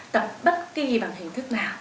tập bất kỳ bằng hình thức nào